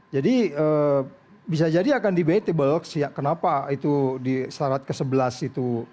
jadi bisa jadi akan debatable kenapa itu syarat ke sebelas itu